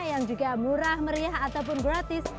yang juga murah meriah ataupun gratis